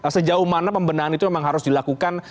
sejauh mana pembenahan itu memang harus dilakukan